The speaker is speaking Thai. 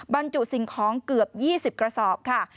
บรรจุสิ่งของเกือบ๒๐กระสอบค่ะ